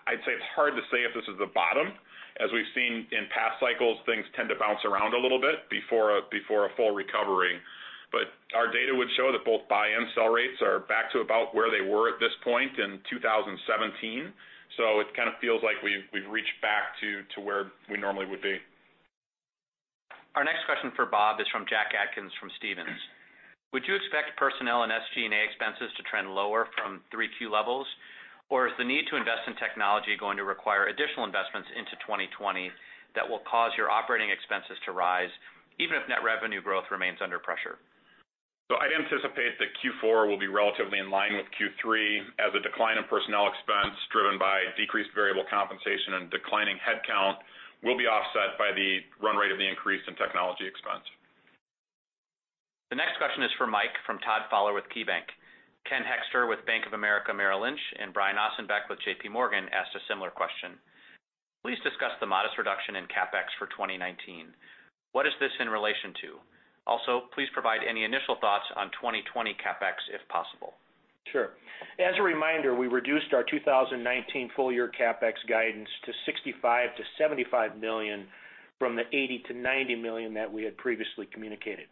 I'd say it's hard to say if this is the bottom. As we've seen in past cycles, things tend to bounce around a little bit before a full recovery. Our data would show that both buy and sell rates are back to about where they were at this point in 2017. It kind of feels like we've reached back to where we normally would be. Our next question for Bob is from Jack Atkins from Stephens. Would you expect personnel and SG&A expenses to trend lower from 3Q levels? Is the need to invest in technology going to require additional investments into 2020 that will cause your operating expenses to rise, even if net revenue growth remains under pressure? I anticipate that Q4 will be relatively in line with Q3 as a decline in personnel expense driven by decreased variable compensation and declining headcount will be offset by the run rate of the increase in technology expense. The next question is for Mike from Todd Fowler with KeyBanc. Ken Hoexter with Bank of America Merrill Lynch and Brian Ossenbeck with J.P. Morgan asked a similar question. Please discuss the modest reduction in CapEx for 2019. What is this in relation to? Also, please provide any initial thoughts on 2020 CapEx, if possible. Sure. As a reminder, we reduced our 2019 full-year CapEx guidance to $65 million-$75 million from the $80 million-$90 million that we had previously communicated.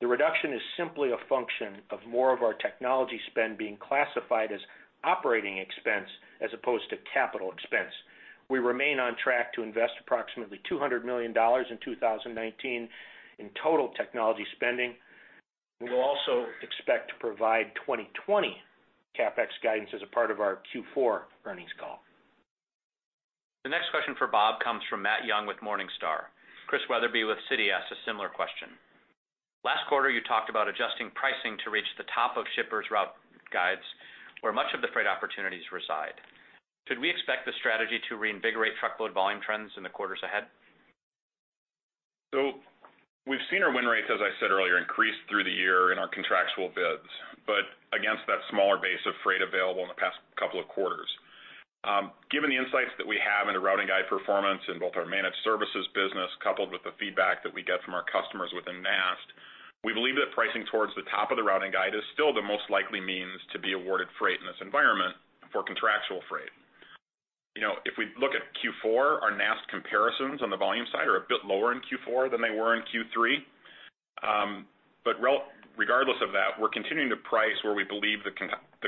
The reduction is simply a function of more of our technology spend being classified as operating expense as opposed to capital expense. We remain on track to invest approximately $200 million in 2019 in total technology spending. We will also expect to provide 2020 CapEx guidance as a part of our Q4 earnings call. The next question for Bob comes from Matthew Young with Morningstar. Chris Wetherbee with Citi asked a similar question. Last quarter, you talked about adjusting pricing to reach the top of shippers route guides, where much of the freight opportunities reside. Should we expect the strategy to reinvigorate truckload volume trends in the quarters ahead? We've seen our win rates, as I said earlier, increase through the year in our contractual bids, against that smaller base of freight available in the past couple of quarters. Given the insights that we have into routing guide performance in both our managed services business, coupled with the feedback that we get from our customers within NAST, we believe that pricing towards the top of the routing guide is still the most likely means to be awarded freight in this environment for contractual freight. If we look at Q4, our NAST comparisons on the volume side are a bit lower in Q4 than they were in Q3. Regardless of that, we're continuing to price where we believe the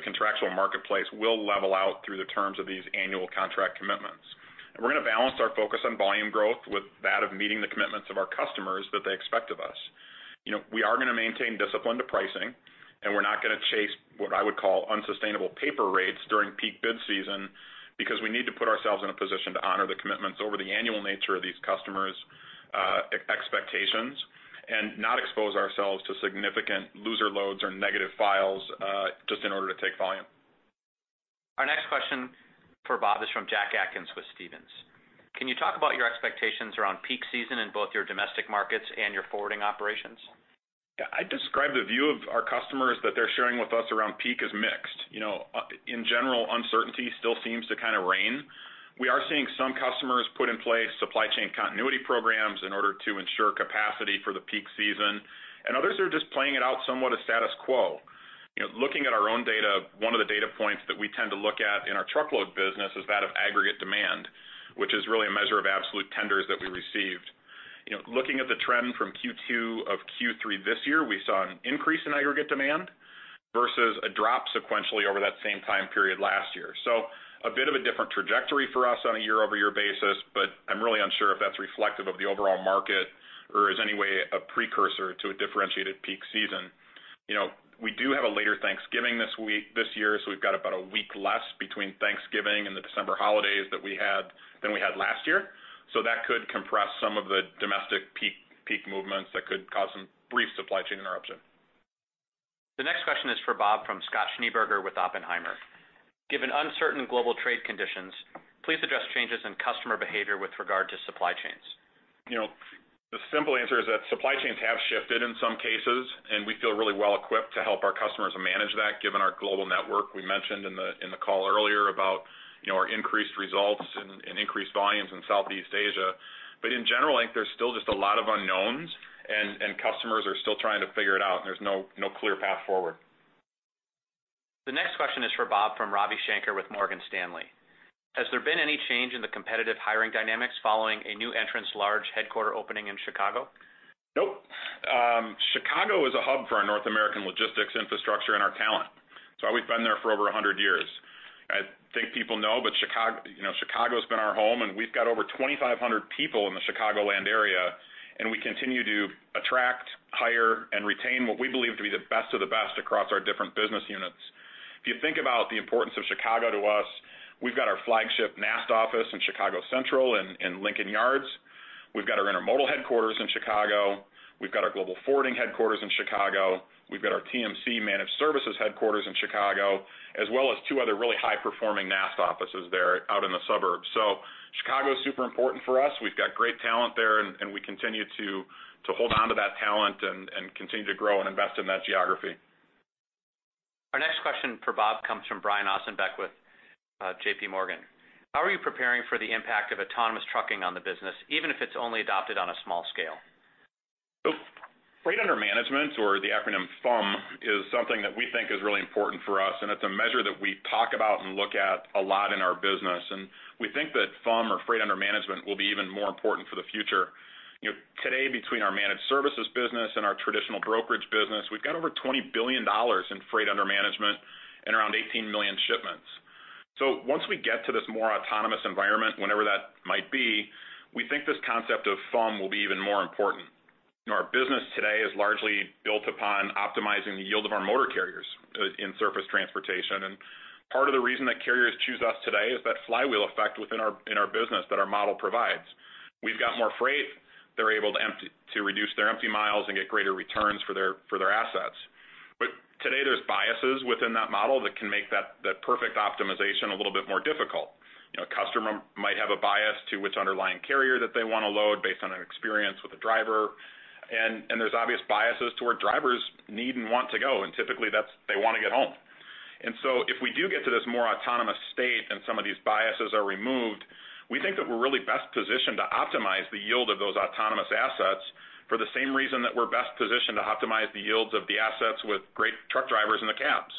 contractual marketplace will level out through the terms of these annual contract commitments. We're going to balance our focus on volume growth with that of meeting the commitments of our customers that they expect of us. We are going to maintain discipline to pricing, and we're not going to chase what I would call unsustainable paper rates during peak bid season because we need to put ourselves in a position to honor the commitments over the annual nature of these customers' expectations and not expose ourselves to significant loser loads or negative files, just in order to take volume. Our next question for Bob is from Jack Atkins with Stephens. Can you talk about your expectations around peak season in both your domestic markets and your forwarding operations? Yeah, I'd describe the view of our customers that they're sharing with us around peak as mixed. In general, uncertainty still seems to kind of reign. We are seeing some customers put in place supply chain continuity programs in order to ensure capacity for the peak season, and others are just playing it out somewhat a status quo. Looking at our own data, one of the data points that we tend to look at in our truckload business is that of aggregate demand, which is really a measure of absolute tenders that we received. Looking at the trend from Q2 of Q3 this year, we saw an increase in aggregate demand versus a drop sequentially over that same time period last year. A bit of a different trajectory for us on a year-over-year basis, but I'm really unsure if that's reflective of the overall market or is any way a precursor to a differentiated peak season. We do have a later Thanksgiving this year, so we've got about a week less between Thanksgiving and the December holidays than we had last year. That could compress some of the domestic peak movements that could cause some brief supply chain interruption. The next question is for Bob from Scott Schneeberger with Oppenheimer. Given uncertain global trade conditions, please address changes in customer behavior with regard to supply chains? The simple answer is that supply chains have shifted in some cases, and we feel really well equipped to help our customers manage that given our global network. We mentioned in the call earlier about our increased results and increased volumes in Southeast Asia. In general, I think there's still just a lot of unknowns, and customers are still trying to figure it out, and there's no clear path forward. The next question is for Bob from Ravi Shanker with Morgan Stanley. Has there been any change in the competitive hiring dynamics following a new entrant's large headquarter opening in Chicago? Nope. Chicago is a hub for our North American logistics infrastructure. For over 100 years. I think people know, Chicago has been our home, and we've got over 2,500 people in the Chicagoland area, and we continue to attract, hire, and retain what we believe to be the best of the best across our different business units. If you think about the importance of Chicago to us, we've got our flagship NAST office in Chicago Central in Lincoln Yards. We've got our Intermodal headquarters in Chicago. We've got our Global Forwarding headquarters in Chicago. We've got our TMC Managed Services headquarters in Chicago, as well as two other really high-performing NAST offices there out in the suburbs. Chicago is super important for us. We've got great talent there, and we continue to hold onto that talent and continue to grow and invest in that geography. Our next question for Bob comes from Brian Ossenbeck with J.P. Morgan. How are you preparing for the impact of autonomous trucking on the business, even if it's only adopted on a small scale? Freight under management, or the acronym FUM, is something that we think is really important for us, and it's a measure that we talk about and look at a lot in our business. We think that FUM or freight under management will be even more important for the future. Today, between our managed services business and our traditional brokerage business, we've got over $20 billion in freight under management and around 18 million shipments. Once we get to this more autonomous environment, whenever that might be, we think this concept of FUM will be even more important. Our business today is largely built upon optimizing the yield of our motor carriers in surface transportation. Part of the reason that carriers choose us today is that flywheel effect within our business that our model provides. We've got more freight. They're able to reduce their empty miles and get greater returns for their assets. Today, there's biases within that model that can make that perfect optimization a little bit more difficult. A customer might have a bias to which underlying carrier that they want to load based on an experience with a driver. There's obvious biases to where drivers need and want to go, and typically, they want to get home. If we do get to this more autonomous state and some of these biases are removed, we think that we're really best positioned to optimize the yield of those autonomous assets for the same reason that we're best positioned to optimize the yields of the assets with great truck drivers in the cabs.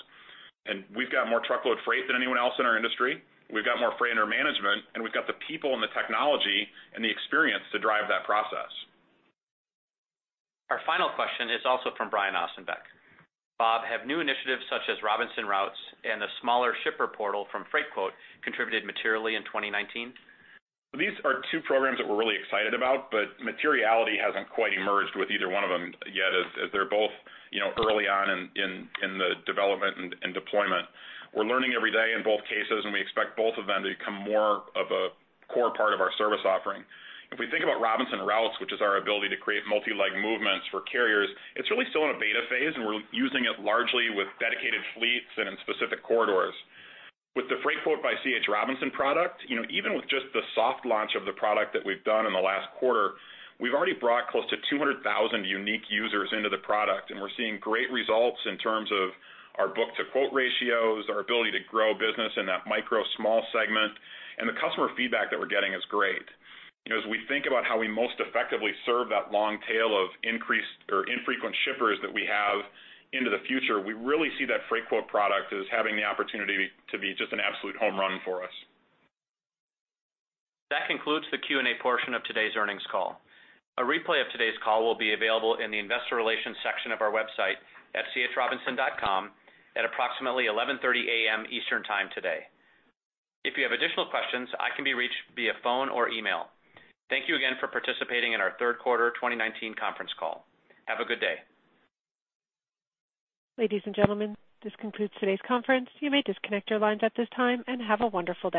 We've got more truckload freight than anyone else in our industry. We've got more freight under management, and we've got the people and the technology and the experience to drive that process. Our final question is also from Brian Ossenbeck. Bob, have new initiatives such as Robinson Routes and the smaller shipper portal from Freightquote contributed materially in 2019? These are two programs that we're really excited about, but materiality hasn't quite emerged with either one of them yet, as they're both early on in the development and deployment. We're learning every day in both cases, and we expect both of them to become more of a core part of our service offering. If we think about Robinson Routes, which is our ability to create multi-leg movements for carriers, it's really still in a beta phase, and we're using it largely with dedicated fleets and in specific corridors. With the Freightquote by C.H. Robinson product, even with just the soft launch of the product that we've done in the last quarter, we've already brought close to 200,000 unique users into the product, and we're seeing great results in terms of our book to quote ratios, our ability to grow business in that micro small segment, and the customer feedback that we're getting is great. As we think about how we most effectively serve that long tail of increased or infrequent shippers that we have into the future, we really see that Freightquote product as having the opportunity to be just an absolute home run for us. That concludes the Q&A portion of today's earnings call. A replay of today's call will be available in the investor relations section of our website at chrobinson.com at approximately 11:30 A.M. Eastern time today. If you have additional questions, I can be reached via phone or email. Thank you again for participating in our third quarter 2019 conference call. Have a good day. Ladies and gentlemen, this concludes today's conference. You may disconnect your lines at this time, and have a wonderful day.